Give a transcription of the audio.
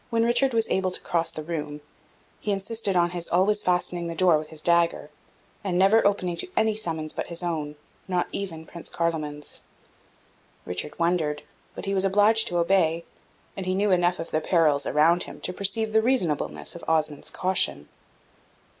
When Richard was able to cross the room, he insisted on his always fastening the door with his dagger, and never opening to any summons but his own, not even Prince Carloman's. Richard wondered, but he was obliged to obey; and he knew enough of the perils around him to perceive the reasonableness of Osmond's caution.